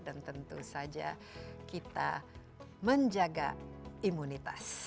dan tentu saja kita menjaga imunitas